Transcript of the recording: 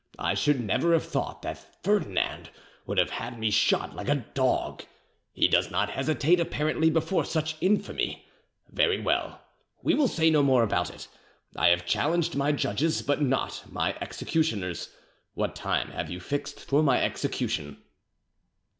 I should never have thought that Ferdinand would have had me shot like a dog; he does not hesitate apparently before such infamy. Very well. We will say no more about it. I have challenged my judges, but not my executioners. What time have you fixed for my execution?"